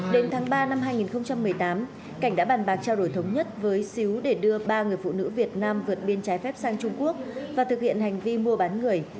đến tháng ba năm hai nghìn một mươi tám cảnh đã bàn bạc trao đổi thống nhất với xíu để đưa ba người phụ nữ việt nam vượt biên trái phép sang trung quốc và thực hiện hành vi mua bán người